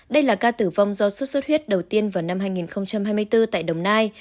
đây là ca tử vong do sốt xuất huyết đầu tiên vào năm hai nghìn hai mươi bốn tại đồng nai